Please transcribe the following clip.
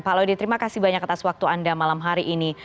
pak laudy terima kasih banyak atas waktu anda malam hari ini